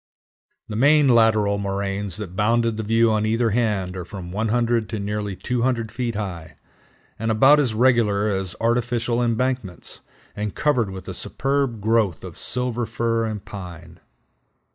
The main lateral moraines that bounded the view on either hand are from 100 to nearly 200 feet high, and about as regular as artificial embankments, and covered with a superb growth of Silver Fir and Pine.